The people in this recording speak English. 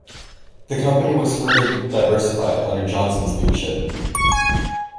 The company was further diversified under Johnson's leadership.